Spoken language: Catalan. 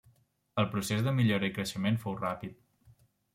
El procés de millora i creixement fou ràpid.